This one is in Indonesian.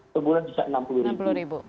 sebulan bisa enam puluh ribu